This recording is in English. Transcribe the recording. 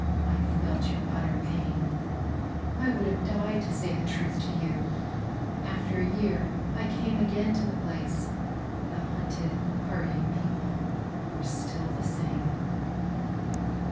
I felt your utter pain. I would have died to say the truth to you. After a year I came again to the place The hunted hurrying people were still the same....